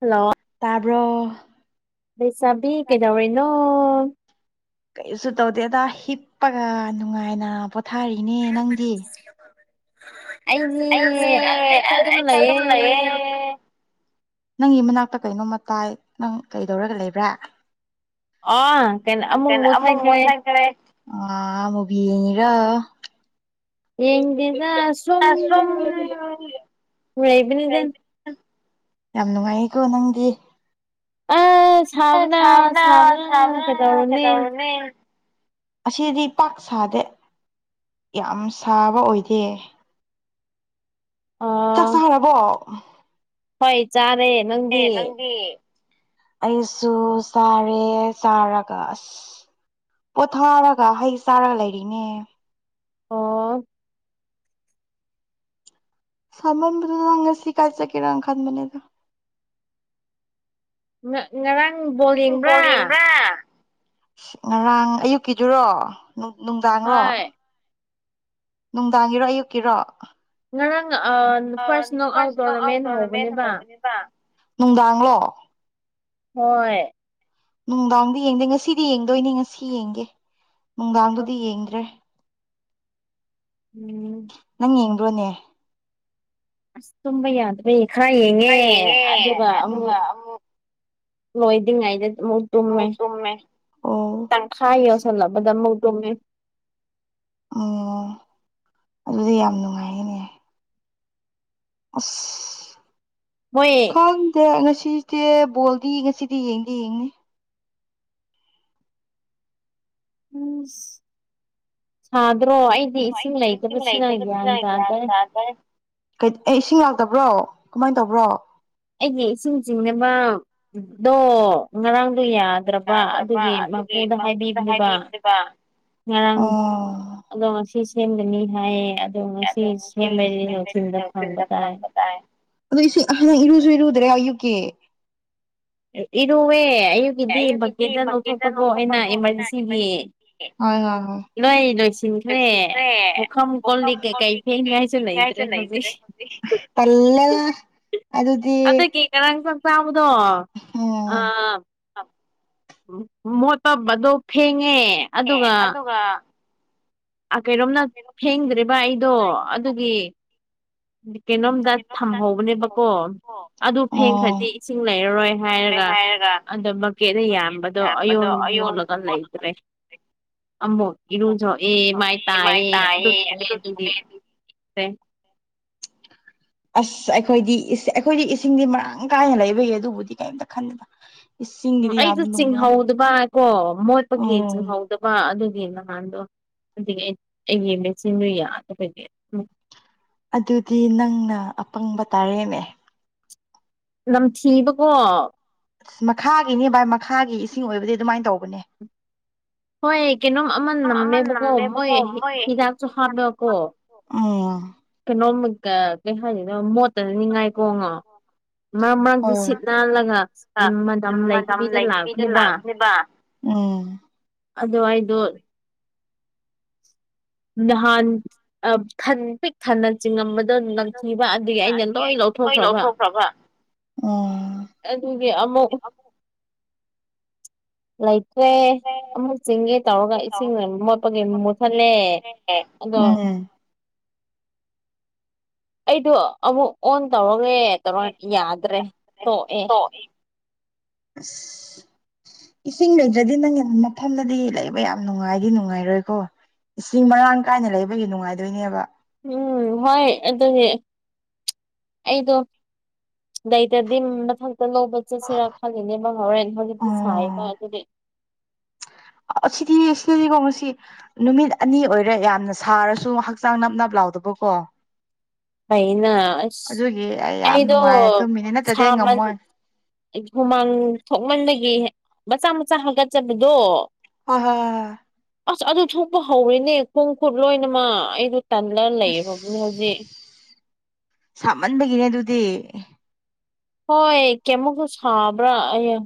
hello ꯑꯕ꯭ꯔꯣ ꯀꯩꯁꯨ ꯇꯧꯗꯦꯗ ꯍꯤꯞ ꯏꯛꯑꯒ ꯅꯨꯡꯉꯥꯏꯅ ꯄꯣꯊꯥꯔꯤꯅꯦ ꯅꯪꯗꯤ ꯑꯅꯦ ꯑꯩꯀ ꯀ ꯃꯂ ꯌꯦ [unintelligible] ꯅꯪꯒꯤ ꯃꯅꯥꯛꯇ ꯀꯩꯅꯣꯝꯃ ꯇꯥꯏ ꯅꯪ ꯀꯩꯗꯧꯔꯒ ꯂꯩꯕ꯭ꯔꯥ ꯑ ꯨꯎꯝ ꯑꯃꯨꯕꯤꯔ ꯌꯦꯡꯗꯦꯗ ꯁꯨꯝ ꯔꯩꯕꯅꯤꯗꯟ ꯌꯥꯝ ꯅꯨꯡꯉꯥꯏꯌꯦꯀꯣ ꯅꯪꯗꯤ ꯁꯥꯕꯅꯥ ꯁꯥꯕꯅꯥ ꯀꯩꯗꯧꯔꯨꯅꯤ ꯑꯁꯤꯗꯤ ꯄꯥꯛ ꯁꯥꯗꯦ ꯌꯥꯝ ꯁꯥꯕ ꯑꯣꯏꯗꯦ ꯆꯥꯛ ꯆꯍꯔꯕꯣ ꯍꯣꯏ ꯆꯥꯔꯦ ꯅꯪꯗꯤ ꯑꯩꯁꯨ ꯆꯥꯔꯦ ꯆꯥꯔꯒ ꯑꯁ ꯄꯣꯊꯥꯔꯒ ꯍꯩ ꯆꯥꯔꯒ ꯂꯩꯔꯤꯅꯦ ꯑꯣ ꯁꯃ ꯁꯤꯀꯥꯏ ꯆ ꯀꯔꯪ ꯈꯥꯟ ꯃꯅꯦꯗ ꯉꯔꯥꯡ ꯕꯣꯜ ꯌꯦꯡꯕ꯭ꯔꯥ ꯑ ꯉꯔꯥꯡ ꯑꯌꯨꯛꯀꯤꯗꯨꯔꯣ ꯅꯨꯡꯗꯥꯡꯔꯣ ꯅꯨꯡꯗꯥꯡꯒꯤꯔꯣ ꯑꯌꯨꯛꯀꯤꯔꯣ ꯐꯥꯔꯁ ꯅ ꯑꯥꯎꯠ ꯇꯣꯔꯅꯥꯃꯦꯟ ꯍꯍꯧꯕꯅꯦꯕ ꯅꯨꯡꯗꯥꯡꯂꯣ ꯍꯣꯏꯣꯏ ꯅꯨꯡꯗꯥꯡꯗꯤ ꯌꯦꯡꯗꯦ ꯉꯁꯤꯗꯤ ꯌꯦꯡꯗꯣꯏꯅꯤ ꯉꯁꯤ ꯌꯦꯡꯒꯦ ꯅꯨꯡꯗꯥꯡꯗꯨꯗꯤ ꯌꯦꯡꯗ꯭ꯔꯦ ꯎꯝ ꯌꯦꯡꯕ꯭ꯔꯣꯅꯦ ꯑꯁ ꯇꯨꯝꯕ ꯌꯥꯗꯕꯩ ꯈꯔ ꯌꯦꯡꯉꯦ ꯑꯗꯨꯒ ꯑꯃꯨꯛ ꯂꯣꯏꯗ꯭ꯔꯤꯉꯩꯗ ꯑꯃꯨꯛ ꯇꯨꯝꯃꯦ ꯇꯪꯈꯥꯏ ꯌꯧꯁꯜꯂꯕꯗ ꯑꯃꯨꯛ ꯇꯃꯦ ꯑꯣ ꯑꯗꯨꯗꯤ ꯌꯥꯝ ꯅꯨꯡꯉꯥꯏꯅꯦ ꯑ ꯈꯪꯗ ꯁꯤꯁꯦ ꯕꯣꯜꯗꯤ ꯉꯁꯤꯗꯤ ꯌꯦꯡꯗꯤ ꯌꯦꯡꯅꯤ ꯎꯝ ꯁꯥ ꯑꯗꯨ꯭ꯔꯣ ꯑꯩꯗꯤ ꯏꯁꯤꯡ ꯂꯩꯇꯕꯁꯤꯅ ꯒ꯭ꯌꯥꯟ ꯇꯥꯗ꯭ꯔꯦ ꯑꯦ ꯏꯁꯤꯡ ꯂꯥꯛꯇꯕ꯭ꯔꯣ ꯀꯃꯥꯏꯅ ꯇꯧꯕ꯭ꯔꯣ ꯑꯩꯒꯤ ꯏꯁꯤꯡ ꯆꯤꯡꯅꯕ ꯗꯣ ꯉꯔꯥꯡ ꯑꯗꯨ ꯌꯥꯗ꯭ꯔꯕ ꯑꯗꯨꯒꯤ ꯃꯄꯨꯗ ꯍꯥꯏꯕꯤꯕꯅꯦꯕ ꯉꯔꯥꯡ ꯑꯗꯣ ꯉ ꯑꯁꯤ ꯁꯦꯝꯒꯅꯤ ꯍꯥꯏꯌꯦ ꯑꯗꯨꯣ ꯉꯁꯤ ꯃ ꯐꯤꯂꯝꯗ ꯐꯥꯡꯕ ꯑꯗꯣ ꯏꯁꯤꯦ ꯍ ꯏꯔꯨꯁꯨ ꯏꯔꯨꯗ꯭ꯔꯦ ꯑꯌꯨꯛꯀꯤ ꯏꯔꯨꯋꯦ ꯑꯌꯨꯛꯀꯤꯗꯤ ꯕꯀꯦꯠꯇ ꯂꯧꯊꯣꯛꯄꯀꯣ ꯑꯩꯅ ꯏꯃꯥꯔꯖꯦꯟꯁꯤꯒꯤ ꯍꯣꯏ ꯍꯣꯏ ꯍꯣꯏ ꯆ꯭ꯔꯦꯂ ꯏ꯭ꯔꯦ ꯄꯂꯒ ꯑꯇꯩꯗꯒꯤ ꯉꯔꯥꯡ ꯆꯪ ꯆꯥꯕꯗꯣ ꯑꯥ ꯃꯣꯠꯇꯕꯗꯣ ꯐꯦꯡꯉꯦ ꯑꯗꯨꯒ ꯀꯔꯣꯝꯅ ꯐꯦꯡꯗ꯭ꯦꯔꯤꯕ ꯑꯩꯗꯣ ꯑꯗꯨꯒꯤ ꯀꯩꯅꯣꯝꯗ ꯊꯝꯍꯧꯕꯅꯦꯕꯀꯣ ꯑꯗꯨ ꯐꯦꯡ ꯈ꯭ꯔꯗꯤ ꯏꯁꯤꯡ ꯂꯩꯔꯔꯣꯏ ꯍꯥꯏꯔꯒ ꯑꯗ ꯃꯀꯦꯅ ꯌꯥꯝꯕꯗꯣ ꯑꯌꯣꯟ ꯃꯣꯜꯂꯒ ꯂꯩꯇ꯭ꯔꯦ ꯑꯃꯛ ꯏꯔꯨꯖꯣꯛꯑꯦ ꯃꯥꯏ ꯇꯥꯏꯑꯦ ꯑꯗꯨ ꯊꯣꯛꯑꯦ ꯑꯗꯨꯗꯤꯦ [unintelligible] ꯑꯁ ꯑꯩꯈꯣꯏꯗꯤ ꯑꯩꯈꯣꯏꯗꯤ ꯏꯁꯤꯡꯗꯤ ꯃꯔꯥꯡ ꯀꯥꯏꯅ ꯂꯩꯕꯩꯌꯦ ꯑꯗꯨꯕꯨꯗꯤ ꯀꯩꯝꯇ ꯈꯟꯗꯕ ꯎ ꯑꯩꯁꯨ ꯆꯤꯡꯍꯧꯗꯕ ꯀꯣ ꯃꯣꯠꯄꯒꯤ ꯆꯤꯡꯍꯧꯗꯕ ꯑꯗꯨ ꯌꯦ ꯅꯍꯥꯟꯗꯣ ꯑꯗꯨꯗꯒꯤ ꯑꯩ ꯑꯩ ꯌꯦꯡꯕ ꯆꯤꯟꯗꯨ ꯌꯥꯗꯗꯤ ꯎꯝ ꯑꯗꯨꯗꯤ ꯅꯪꯅ ꯑꯄꯪꯕ ꯇꯥꯔꯦꯝꯃꯦ ꯅꯝꯊꯤꯕꯀꯣ ꯑ ꯃꯈꯥꯒꯤꯅꯤ ꯚꯥꯏ ꯃꯈꯥꯒꯤ ꯏꯁꯤꯡ ꯑꯣꯏꯕꯗꯤ ꯑꯗꯨꯃꯥꯏꯅ ꯇꯧꯕꯅꯦ ꯍꯣꯏ ꯀꯩꯅꯣꯝ ꯑꯃ ꯅꯝꯃꯦꯕꯀꯣ ꯃꯣꯏ ꯍꯤꯗꯥꯛꯁꯨ ꯍꯥꯞꯂꯀꯣ ꯑꯣ ꯀꯩ ꯍꯥꯏꯔꯤꯅꯣ ꯃꯣꯠꯇꯅꯤꯉꯥꯏ ꯀꯣ ꯉ ꯃꯥ ꯃꯥꯗꯨ ꯁꯤꯠ ꯂꯥꯜꯂꯒ ꯃꯇꯝ ꯂꯩꯇꯕꯤꯗ ꯂꯥꯛꯄꯅꯦꯕ ꯑꯗꯨ ꯑꯩꯗꯣ ꯅꯍꯥꯟꯟ ꯄꯤꯛ ꯊꯟꯅ ꯆꯤꯡꯉꯝꯕ ꯅꯪꯊꯤꯕ ꯑꯗꯒꯤ ꯑꯩꯅ ꯂꯣꯏ ꯂꯧꯊꯣꯛꯈ꯭ꯔꯕ ꯑꯗꯨ ꯑꯗꯨꯗꯤ ꯑꯃꯃꯨꯛ ꯂꯩꯇ꯭ꯔꯦ ꯑꯃꯨꯛ ꯆꯤꯡꯒꯦ ꯇꯧꯔꯒ ꯏꯁꯤꯡ ꯃꯣꯠꯄꯒꯤ ꯃꯨꯠꯊꯠꯂꯦ ꯎꯝ ꯑꯩꯗꯣ ꯑꯃꯨꯛ ꯑꯣꯟ ꯇꯧꯔ ꯦ ꯇꯧꯔ ꯌꯥꯗ ꯔꯦ ꯊꯣꯛ ꯑꯦ ꯑ ꯏꯤꯡ ꯂꯩꯇ꯭ꯔꯗꯤ ꯅꯪ ꯃꯐꯝꯗꯗꯤ ꯂꯩꯕ ꯌꯥꯝ ꯅꯨꯡꯉꯥꯏꯗꯤ ꯅꯨꯡꯉꯥꯏꯔꯣꯏꯀꯣ ꯏꯁꯤꯡ ꯃꯔꯥꯡ ꯀꯥꯏꯅ ꯂꯩꯕꯒꯤ ꯅꯨꯡꯉꯥꯏꯗꯣꯏꯅꯦꯕ ꯎꯝ ꯍꯣꯏ ꯑꯗꯨꯗꯤ ꯑꯩꯗꯣ ꯂꯩꯇꯗꯤ ꯃꯊꯛꯇ ꯂꯧꯕ ꯆꯠꯁꯤꯔꯥ ꯈꯜꯂꯤꯅꯦ ꯃꯪꯍꯧꯣꯔꯦꯟ ꯍꯧꯖꯤꯛꯇꯤ ꯁꯥꯏꯕ ꯑꯗꯨꯗꯤ ꯑꯁꯤꯗꯤ ꯁꯤꯗꯗꯤꯀꯣ ꯉꯁꯤ ꯅꯨꯃꯤꯠ ꯑꯅꯤ ꯑꯣꯏꯔꯦ ꯌꯥꯝꯅ ꯁꯥꯔꯁꯨ ꯍꯛꯆꯥꯡ ꯅꯞꯅꯕ ꯂꯥꯛ ꯌꯥꯥꯎꯗ ꯄꯣꯀꯣ ꯍꯩꯅ ꯑꯁ ꯑꯩꯗꯣ ꯁꯥꯃꯟ ꯑꯩ ꯍꯨꯃꯥꯡ ꯊꯣꯛꯃꯟꯗꯒꯤ ꯃꯆꯥ ꯃꯆꯥ ꯍꯥꯀꯠꯆꯕꯗꯣ ꯑꯣ ꯍ ꯑꯁ ꯑꯗꯨ ꯊꯣꯛꯄ ꯍꯧꯔꯤꯅꯦ ꯈꯣꯡ ꯈꯨꯠ ꯂꯣꯏꯅꯃꯛ ꯑꯩꯗꯨ ꯇꯜꯂ ꯂꯩꯔꯕꯅꯦ ꯍꯧꯖꯤꯛ ꯁꯥꯃꯟꯕꯒꯤꯅꯦ ꯑꯗꯨꯗꯤ ꯍꯣꯏ ꯀꯃꯣꯁꯨ ꯁꯥꯕ꯭ꯔꯥ ꯑꯩ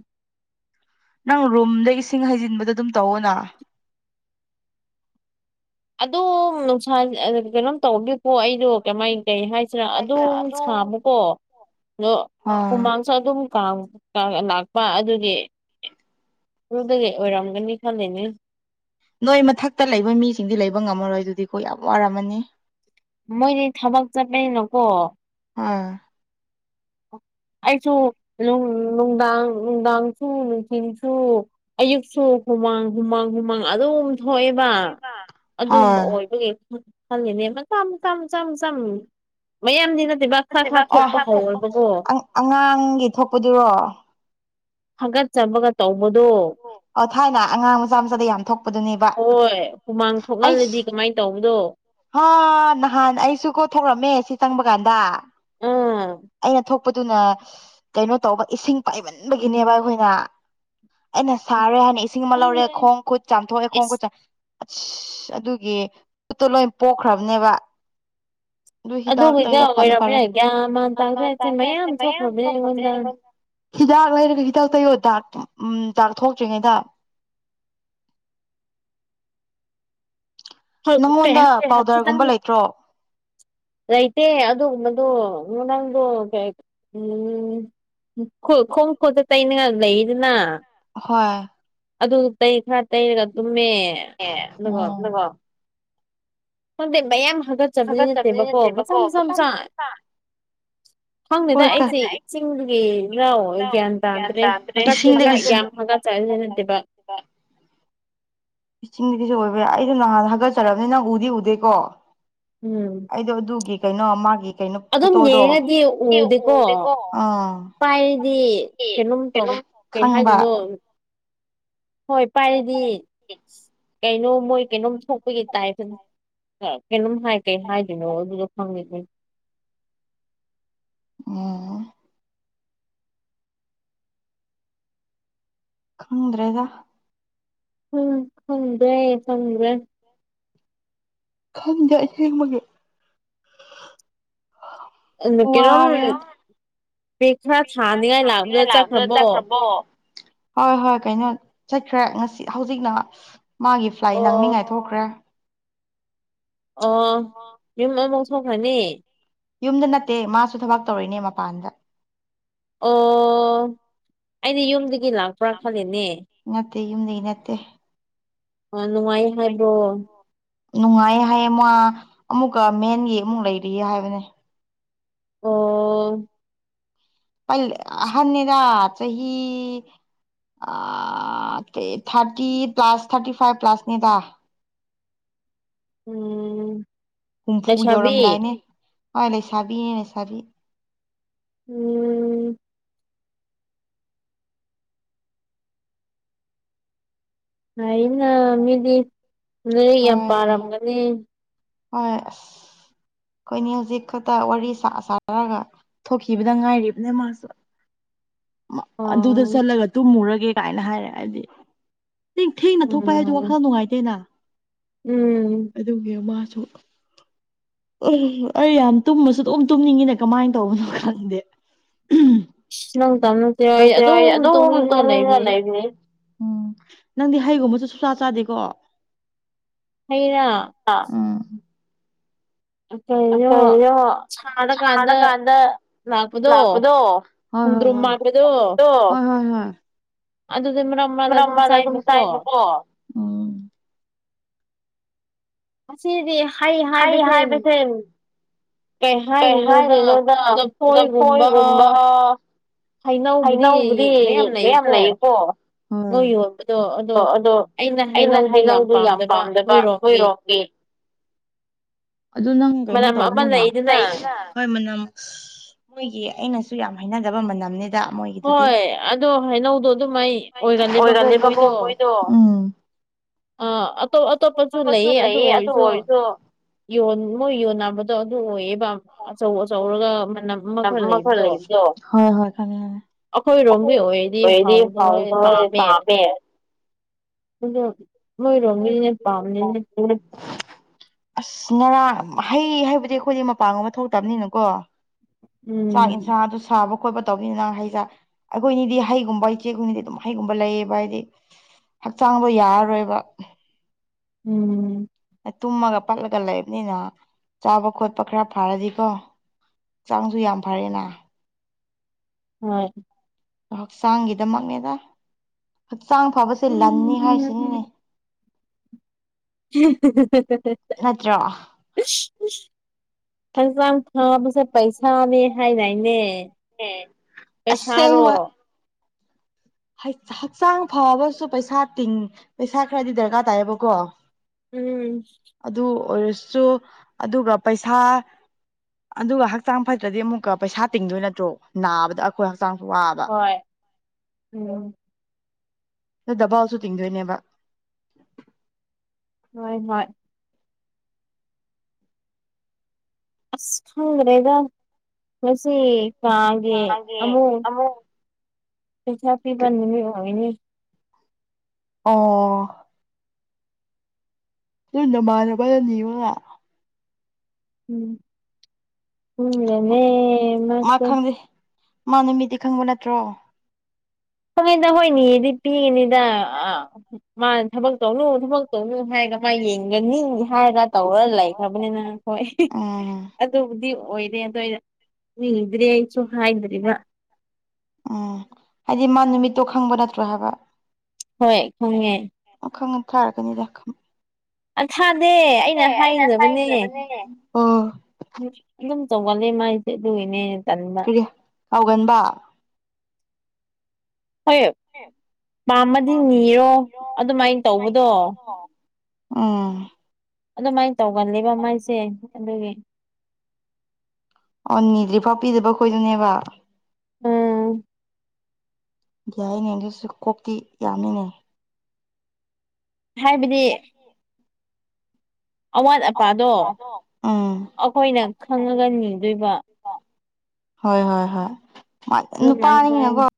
ꯅꯪ ꯔꯨꯝꯗ ꯏꯁꯤꯡ ꯍꯩꯖꯤꯟꯕꯗ ꯑꯗꯨꯝ ꯇꯧꯑꯣ ꯅ ꯑꯗꯣ ꯅꯨꯡꯁꯥ ꯀꯩꯅꯣꯝ ꯇꯧꯕꯒꯤꯄꯣ ꯑꯩꯗꯣ ꯀꯃꯥꯏ ꯀꯩ ꯍꯥꯏꯁꯤꯅꯥ ꯑꯗꯨꯝ ꯁꯥꯕꯀꯣ ꯑꯗꯣ ꯍꯨꯃꯥꯡꯁꯨ ꯑꯗꯨꯝ ꯂꯥꯛꯄ ꯑꯗꯨꯒꯤ ꯍ ꯔꯨꯗꯒ ꯑꯣꯏꯔꯝꯒꯅꯤ ꯈꯪꯩꯅꯦ ꯅꯣꯏ ꯃꯊꯛꯇ ꯂꯩꯕ ꯃꯤꯁꯤꯡꯗꯤ ꯂꯩꯕ ꯉꯝꯃꯔꯣꯏ ꯑꯗꯨꯗꯤ ꯑꯩꯈꯣꯏ ꯌꯥꯝ ꯋꯥꯔꯝꯃꯅꯤ ꯃꯣꯏꯗꯤ ꯊꯕꯛ ꯆꯠꯄꯅꯣꯀꯣ ꯑꯥ ꯑꯣ ꯑꯩꯁꯨꯅꯨꯡ ꯅꯨꯡꯗꯥꯡ ꯅꯨꯡꯗꯥꯡꯁꯨ ꯅꯨꯡꯊꯤꯟꯁꯨ ꯑꯌꯨꯛꯁꯨ ꯍꯨꯃꯥꯡ ꯍꯨꯃꯥꯡ ꯍꯨꯃꯥꯡ ꯑꯗꯨꯝ ꯊꯣꯛꯑꯦꯕ ꯑꯗꯨꯝꯕ ꯑꯣꯏꯕꯒꯤ ꯈꯪꯉꯦꯅꯦ ꯃ ꯃꯆꯥ ꯆꯝ ꯆꯝ ꯃꯌꯥꯝꯗꯤ ꯅꯠꯇꯦꯕ ꯈꯔ ꯈꯔ ꯊꯣꯛꯄ ꯍꯧꯋ ꯑꯉꯥꯡꯒꯤ ꯊꯣꯛꯄꯗꯨꯔꯣ ꯐꯒꯠꯆꯃꯒ ꯇꯧꯕꯗꯣ ꯊꯥꯏꯅ ꯑꯉꯥꯡ ꯃꯆꯥ ꯃꯆꯥꯗ ꯌꯥꯝ ꯊꯣꯛꯄ ꯍꯣꯏ ꯍꯨꯃꯥꯡ ꯊꯣꯛꯍꯜꯂꯗꯤ ꯀꯃꯥꯏꯅ ꯇꯧꯕꯗꯣ ꯍꯥ ꯅꯍꯥꯟ ꯑꯩꯁꯨ ꯀꯣ ꯊꯣꯛꯔꯝꯃꯦ ꯁꯤ ꯆꯪꯕ ꯀꯥꯟꯗ ꯑꯩꯅ ꯊꯣꯛ ꯊꯣꯛꯄꯗꯨꯅ ꯀꯩꯅꯣ ꯇꯧꯕ ꯏꯁꯤꯡ ꯄꯥꯏꯃꯟꯕꯒꯤꯅꯦꯕ ꯑꯩꯈꯣꯏꯅ ꯑꯩꯅ ꯁꯥꯔꯦ ꯍꯥꯏꯅ ꯏꯁꯤꯡ ꯑꯃ ꯂꯧꯔꯦ ꯈꯣꯡ ꯈꯨꯠ ꯆꯥꯝꯊꯣꯛꯑꯦ ꯈꯣꯡ ꯈꯨꯠ ꯑꯁ ꯑꯗꯨꯒꯤ ꯄꯠꯇꯣ ꯂꯣꯏ ꯄꯣꯛꯈ꯭ꯔꯕꯅꯦꯕ ꯑꯗꯨ ꯍꯤꯗꯥꯛ ꯐ ꯐꯔꯦ ꯇꯥꯖꯦ ꯃꯌꯥꯝ ꯍꯤꯗꯥꯛ ꯂꯩꯔꯒ ꯍꯤꯗꯥꯛ ꯇꯩꯌꯣ ꯗꯥꯛ ꯎ ꯗꯥꯛ ꯊꯣꯛꯇ꯭ꯔꯤꯉꯩꯗ [unintelligible] ꯍ ꯄꯍ ꯄꯦꯍꯛ ꯆ ꯇꯪꯅꯤ ꯔꯥꯏꯇ ꯑꯗꯨꯗ ꯃꯗꯨ ꯅꯪꯗꯨ ꯀ ꯎꯝ ꯎ ꯈꯣꯡ ꯈꯨꯣꯠꯇ ꯇꯩꯅꯅꯤꯡꯉꯥꯏ ꯂꯩꯔꯤꯗꯅ ꯍꯣꯏ ꯑꯗꯨꯗꯨ ꯇꯩ ꯈꯔ ꯇꯩꯔꯒ ꯇꯨꯝꯃꯦ ꯑꯗꯨꯒ ꯈꯪꯗꯦ ꯃꯌꯥꯝ ꯍꯥꯒꯠꯆꯕꯗꯤ ꯅꯠꯇꯦꯕꯀꯣ ꯃꯆꯥ ꯃꯆꯥ ꯃꯆꯥ ꯈꯪꯅꯤꯗ ꯑꯩꯁꯦ ꯏꯆꯁꯤꯡꯒꯤ ꯏꯅꯥꯥꯎ ꯒ꯭ꯌꯥꯟ ꯇꯥꯗ꯭ꯔꯦ ꯍꯀꯠꯆꯗꯤ ꯒꯌꯥ ꯆꯖꯅꯠꯇꯕ ꯏꯁꯤꯡꯗꯤꯁꯨ ꯑꯣꯏꯕ ꯌꯥꯏ ꯑꯩꯁꯨ ꯅꯍꯥꯟꯗ ꯍꯥꯒꯠꯆꯔꯕꯅꯤ ꯅꯪ ꯎꯗꯤ ꯎꯗꯦꯀꯣ ꯑꯩꯗꯣ ꯑꯗꯨꯒꯤ ꯀꯩꯅꯣ ꯃꯥꯒꯤ ꯀꯩꯅꯣ ꯐꯣꯇꯣꯗꯣ ꯑ ꯄꯥꯏꯔꯤꯗꯤ ꯀꯩꯅꯣꯝ ꯇꯧꯕ ꯀꯩ ꯍꯥꯏꯗꯣꯏꯅꯣ ꯍꯣꯏ ꯄꯥꯏꯔꯗꯤ ꯀꯩꯅꯣ ꯃꯣꯏ ꯀꯩꯅꯣꯝ ꯊꯣꯛꯄꯒꯤ ꯇꯥꯏ ꯐꯅ ꯀꯩꯅꯣꯝ ꯍꯥꯏ ꯀꯩ ꯍꯥꯏꯗꯣꯏꯅꯣ ꯑꯗꯨꯗ ꯈꯪꯕꯤꯅꯤ ꯈꯪꯗ꯭ꯔꯦꯗ ꯎꯝ ꯈꯪꯗ꯭ꯔꯦ ꯈꯪꯒ꯭ꯔꯦ ꯈꯪꯖꯏ ꯍꯦ ꯃꯒꯦ ꯑ ꯀꯩꯅꯣ ꯄꯦꯛ ꯈꯔ ꯊꯥꯅꯤꯉꯥꯏ ꯂꯥꯛꯗꯨꯅ ꯆꯠꯈ꯭ꯔꯕꯣ ꯍꯣꯏ ꯍꯣꯏ ꯀꯩꯅꯣ ꯆꯠꯈ꯭ꯔꯦ ꯉꯁꯤ ꯍꯧꯖꯤꯛꯅ ꯃꯥꯒꯤ ꯐ꯭ꯂꯥꯏꯠ ꯅꯥꯡꯅꯤꯡꯉꯥꯏ ꯊꯣꯛꯈ꯭ꯔꯦ ꯑꯣ ꯌꯨꯝ ꯑꯃꯃꯥꯎ ꯁꯅꯅꯤ ꯌꯨꯝꯗ ꯅꯠꯇꯦ ꯃꯥꯁꯨ ꯊꯕꯛ ꯇꯧꯔꯤꯅꯦ ꯃꯄꯥꯟꯗ ꯑꯣ ꯑꯩꯅ ꯌꯨꯝꯗꯒꯤ ꯂꯥꯛꯄ꯭ꯔꯥ ꯈꯂꯦꯅꯦ ꯇꯨꯝ ꯅꯩꯅꯠꯇꯦ ꯑ ꯅꯨꯡꯉꯥꯏ ꯍꯥꯏꯕ꯭ꯔꯣ ꯅꯨꯡꯉꯥꯏꯌꯦ ꯍꯥꯏꯌꯦ ꯃꯥ ꯑꯃꯨꯛꯀ ꯃꯦꯟꯒꯤ ꯑꯃꯨꯛ ꯂꯩꯔꯤꯌꯦ ꯍꯥꯏꯕꯅꯦ ꯑꯣ ꯄ ꯍꯅꯤꯗꯥ ꯆꯍꯤ ꯑ ꯊꯥꯔꯇꯤ ꯄ꯭ꯂꯥꯁ ꯊꯥꯔꯇꯤ ꯐꯥꯏꯚ ꯄ꯭ꯂꯥꯁꯅꯤꯗ ꯎꯝ ꯅꯦꯁꯕꯤ ꯍꯣꯏ ꯂꯩꯁꯥꯕꯤꯅꯦ ꯂꯩꯁꯥꯕꯤ ꯎꯝ ꯑꯩꯅ ꯃꯤꯗꯤ ꯂ ꯌꯥꯝ ꯄꯥꯔꯝꯒꯅꯤ ꯍꯣꯏ ꯑꯩꯈꯣꯏꯅꯤ ꯍꯧꯖꯤꯛ ꯈꯛꯇ ꯋꯥꯔꯤ ꯁꯥꯥꯟꯅꯔꯒ ꯊꯣꯛꯈꯤꯕꯗ ꯉꯥꯏꯔꯤꯕꯅꯦ ꯃꯥꯁꯨ ꯑꯗꯨꯗ ꯆꯠꯂꯒ ꯇꯨꯝꯃꯨꯔꯒꯦ ꯀꯥꯏꯅ ꯍꯥꯏꯔꯦ ꯍꯥꯏꯗꯤ ꯅꯊꯦꯡꯅ ꯊꯣꯛꯄ ꯍꯥꯏꯕꯗꯤ ꯋꯥꯈꯜ ꯅꯨꯡꯉꯥꯏꯇꯦꯅ ꯑꯗꯨꯒꯤ ꯃꯥꯁꯨ [unintelligible] ꯎ ꯑꯩ ꯌꯥꯝ ꯇꯨꯝꯃꯁꯨ ꯑꯗꯨꯨꯝ ꯇꯨꯝꯅꯤꯡꯉꯤꯅ ꯀꯃꯥꯏꯅ ꯇꯧꯕꯅꯣ ꯈꯪꯗꯦ ꯅꯠꯇꯦ ꯑꯗꯨ ꯇꯣꯡꯅꯤꯡꯒ ꯂꯩꯕꯅꯦ ꯎꯝ ꯅꯪꯗꯤ ꯍꯩꯒꯨꯝꯕꯁꯨ ꯁꯨꯡꯆꯥ ꯆꯥꯗꯦꯀꯣ ꯍꯩꯔꯥ ꯀꯣ ꯆꯥꯅ ꯀꯥꯟꯗ ꯂꯥꯛꯄꯗꯣ ꯂꯥꯛꯄ ꯑꯗꯨꯗꯤ ꯃꯔꯛ ꯃꯔꯥꯗ ꯑꯗꯨꯝ ꯆꯥꯏꯕꯀꯣ ꯑꯁꯤꯗꯤ ꯍꯥꯏ ꯍꯥꯏꯕꯁꯦ ꯀꯩ ꯍꯥꯏꯔꯤꯅꯣꯗ ꯖꯐꯣꯏꯒꯨꯝꯕ ꯍꯩꯅꯎꯕꯨꯗꯤ ꯌꯦ ꯃꯌꯥꯝ ꯂꯩꯌꯦꯀꯣ ꯅꯣꯏ ꯌꯣꯟꯕꯗꯣ ꯑꯗꯣ ꯑꯩꯅ ꯍꯩꯅꯧꯗꯨ ꯌꯥꯝ ꯄꯥꯝꯗꯕ ꯃꯣꯏꯔꯣꯝꯒꯤ ꯑꯗꯨ ꯅꯪ ꯀꯩꯅꯣ ꯇꯧꯕꯅꯤꯅ ꯍꯣꯏ ꯃꯅꯝ ꯃꯣꯏꯒꯤ ꯑꯩꯅ ꯨ ꯌꯥꯝ ꯍꯥꯏꯅꯗꯕ ꯃꯅꯝꯅꯦ ꯍꯣꯏ ꯑꯗꯣ ꯍꯩꯅꯧꯗꯣ ꯑꯗꯨꯝ ꯑꯩ ꯑꯣꯏꯔꯅꯦꯕꯀꯣ ꯃꯣꯏꯗꯣ ꯑ ꯑꯇꯣꯞ ꯑꯇꯣꯞꯄꯁꯨ ꯂꯩ ꯑꯗꯨ ꯑꯣꯏꯔꯁꯨ ꯌꯣ ꯌꯣ ꯅꯝꯕꯗꯣ ꯑꯗꯨ ꯑꯆꯧ ꯑꯆꯧꯔꯒ ꯃꯅꯝ ꯑꯃ ꯈꯔ ꯂꯩꯕꯗꯣ ꯑꯩꯈꯣꯏꯔꯣꯝꯒꯤ ꯑꯣꯏꯔꯗꯤ ꯍꯥꯎꯗ ꯄꯥꯝꯃꯦ ꯑꯗꯨ ꯑ ꯅꯔꯥꯡ ꯍꯩ ꯍꯥꯏꯕꯗꯤ ꯑꯩꯈꯣꯏꯗꯤ ꯃꯄꯥꯡ ꯑꯃ ꯊꯣꯛꯇꯕꯅꯤꯅꯀꯣ ꯆ ꯆ [unintelligible] ꯇꯨ ꯁꯥꯕ ꯈꯣꯠꯄ ꯇꯧꯕꯅꯤ ꯅꯪ ꯑꯩꯁꯦ ꯑꯩꯈꯣꯏꯅꯤꯗꯤ ꯍꯩꯒꯨꯝꯕ ꯏꯆꯦ ꯈꯣꯏꯅꯤꯗꯤ ꯑꯗꯨꯝ ꯍꯩꯒꯨꯝꯕ ꯂꯩꯌꯦꯕ ꯍꯥꯏꯗꯤ ꯍꯛꯆꯥꯡꯗꯣ ꯌꯥꯔꯔꯣꯏꯕ ꯎꯝ ꯇꯨꯝꯃꯒ ꯄꯛꯂꯒ ꯂꯩꯕꯅꯤꯅ ꯆꯥꯕ ꯈꯣꯠꯄ ꯈꯔ ꯐꯥꯔꯗꯤꯀꯣꯥꯡ ꯑꯗꯨꯨ ꯌꯥꯝ ꯐꯔꯦꯅ ꯍꯣꯏ ꯍꯛꯆꯥꯡꯒꯤꯗꯃꯛꯅꯦꯗ ꯍꯛꯆꯥꯡ ꯐꯕꯁꯦ ꯂꯟꯅꯤ ꯍꯥꯏꯁꯤꯅꯤꯅꯦ [unintelligible] ꯍꯛꯆꯥꯡ ꯊꯥꯕꯁꯦ ꯄꯩꯁꯥꯅꯦ ꯍꯥꯏꯅꯅꯦ ꯑꯁꯦꯡꯕ ꯍꯛꯆꯥꯡ ꯐꯕꯁꯨ ꯄꯩꯁꯥ ꯇꯤꯡ ꯄꯩꯁꯥ ꯈꯔꯗꯤ ꯗꯔꯀꯥꯔ ꯇꯥꯏꯌꯦꯕꯀꯣ ꯎꯝ ꯨ ꯑꯗꯨꯒ ꯄꯩꯁꯥ ꯑꯗꯨꯒ ꯍꯛꯆꯥꯡ ꯐꯠꯇ꯭ꯔꯗꯤ ꯑꯃꯨꯛꯀ ꯄꯩꯁꯥ ꯇꯤꯡꯗꯣꯏ ꯅꯠꯇ꯭ꯔꯣ ꯅꯥꯕꯗ ꯑꯩꯈꯣꯏ ꯍꯛꯆꯥꯡꯁꯨ ꯋꯥꯕ ꯎꯝ ꯗꯕꯥꯥꯎꯁꯨ ꯊꯤꯡꯗꯅꯦꯕ ꯍꯣꯏ ꯍꯣꯏ ꯑꯁ ꯈꯪꯈ꯭ꯔꯦꯗ ꯉꯁꯤ ꯀꯥꯒꯤ ꯑꯃꯨꯛ ꯄꯩꯁꯥ ꯄꯤꯕꯅꯤꯃꯤ ꯑꯣꯏꯅꯤ ꯑꯣ ꯑꯗꯨ ꯅꯃꯥꯟꯅꯕꯅꯤꯉ ꯎꯝ ꯎꯅꯦ ꯃꯥꯁ ꯃꯥ ꯅꯨꯃꯤꯠꯇ ꯈꯪꯕ ꯅꯠꯇ꯭ꯔꯣ ꯍꯣꯏ ꯅ ꯍꯣꯏꯅꯤꯗꯤ ꯄꯤꯒꯅꯤꯗ ꯑ ꯃꯥꯅ ꯊꯕꯛ ꯇꯧꯂꯨ ꯊꯕꯛ ꯇꯧꯂꯨ ꯍꯥꯏ ꯀꯃꯥꯏ ꯌꯦꯡꯒꯅꯤ ꯍꯥꯏꯔꯒ ꯇꯧꯔ ꯂꯩꯈ꯭ꯔꯕꯅꯤꯅ ꯍꯈꯣꯏ ꯑꯗꯨꯕꯨꯗꯤ ꯑꯣꯏꯔꯦ ꯑꯗꯏ ꯏꯗ꯭ꯔꯦ ꯑꯩ ꯎꯝ ꯍꯥꯏꯗꯤ ꯃꯥ ꯅꯨꯃꯤꯠꯇꯣ ꯈꯪꯕ ꯅꯠꯇ꯭ꯔꯣ ꯍꯥꯏꯕ ꯍꯣꯏ ꯈꯪꯉꯦ ꯊꯥꯔꯒꯅꯤ ꯔꯝ ꯑ ꯊꯥꯗꯦ ꯑꯩꯅ ꯍꯥꯏꯒꯗꯕꯅꯦ ꯑꯗꯨꯝ ꯁꯒꯂꯦ ꯃꯥꯏꯦ ꯑꯗꯨꯨ ꯏꯅꯦ ꯀꯔꯤ ꯀꯥꯎꯒꯟꯕ ꯍꯣꯏ ꯄꯥꯝꯃꯗꯤ ꯅꯤꯔꯣ ꯑꯗꯨꯃꯥꯏꯅ ꯇꯧꯕꯗꯣ ꯑꯝ ꯑꯗꯨꯃꯥꯏꯅ ꯇꯧꯒꯜꯂꯕ ꯃꯥꯏꯁꯦ ꯑꯗꯨꯒꯤ ꯑꯣ ꯅꯤꯗ꯭ꯔꯤꯐꯥꯎ ꯄꯤꯗꯕ ꯈꯣꯏꯗꯨꯅꯦꯕ ꯎꯝ ꯏꯅꯦ ꯑꯗꯨꯁꯨ ꯀꯣꯛꯇꯤ ꯌꯥꯝꯃꯤꯅꯦ ꯍꯥꯏꯕꯗꯤ ꯑꯋꯥꯠ ꯑꯄꯥꯗꯣ ꯑꯩꯈꯣꯏꯅ ꯈꯪꯉꯒ ꯅꯤꯗꯣꯏꯕ ꯍꯣꯏ ꯍꯣꯏ ꯍꯣꯏ ꯃꯥ ꯅꯨꯄꯥꯅꯤꯅꯀꯣ